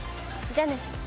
じゃあね。